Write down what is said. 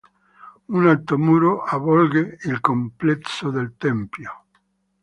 Un alto muro avvolge il complesso del tempio.